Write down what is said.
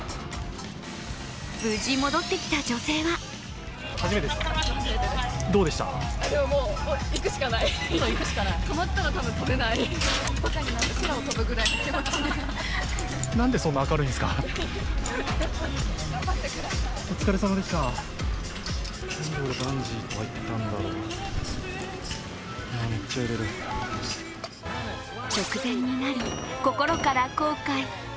無事戻ってきた女性は直前になり、心から後悔。